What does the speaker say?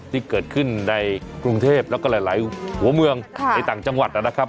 ที่เกิดขึ้นในกรุงเทพแล้วก็หลายหัวเมืองในต่างจังหวัดนะครับ